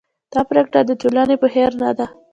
دا پرېکړه د ټولنې په خیر نه ده.